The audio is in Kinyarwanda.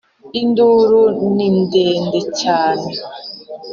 Induru ni ndende cyane